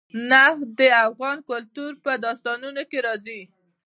نفت د افغان کلتور په داستانونو کې راځي.